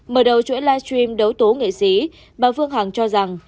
mở đầu chuỗi live stream đấu tố nghị sĩ bà phương hằng cho rằng